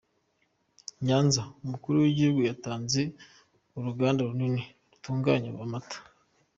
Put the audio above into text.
Nyanza: Umukuru w’Igihugu yatanze uruganda runini rutunganya amata.